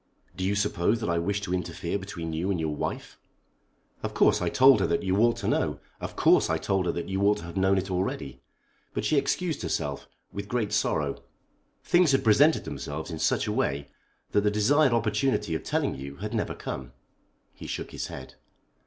"Do you suppose that I wished to interfere between you and your wife? Of course I told her that you ought to know. Of course I told her that you ought to have known it already. But she excused herself, with great sorrow. Things had presented themselves in such a way that the desired opportunity of telling you had never come." He shook his head.